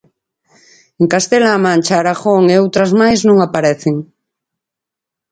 En Castela-A Mancha, Aragón e outras máis non aparecen.